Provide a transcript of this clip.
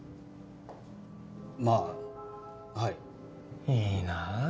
まあはいいいなあ